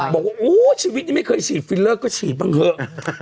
บอกว่าชีวิตนี้ไม่เคยฉีดฟิลเลอร์ก็ฉีดบ้างเถอะ